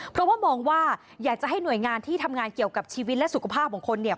เพราะว่ามองว่าอยากจะให้หน่วยงานที่ทำงานเกี่ยวกับชีวิตและสุขภาพของคนเนี่ย